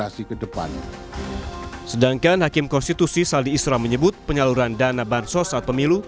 sedangkan hakim konstitusi saldi isra menyebut penyaluran dana bansos saat pemilu